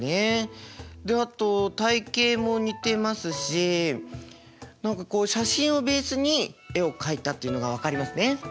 であと体形も似てますし何かこう写真をベースに絵を描いたっていうのが分かりますね。